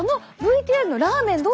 あのＶＴＲのラーメン